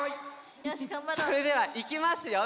それではいきますよ